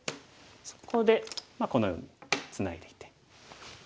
そこでこのようにツナいでいって。